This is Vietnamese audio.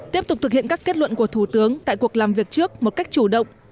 tiếp tục thực hiện các kết luận của thủ tướng tại cuộc làm việc trước một cách chủ động